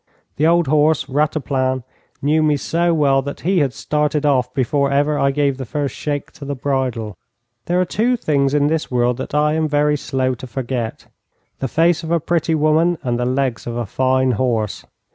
The old horse, Rataplan, knew me so well that he had started off before ever I gave the first shake to the bridle. There are two things in this world that I am very slow to forget: the face of a pretty woman, and the legs of a fine horse.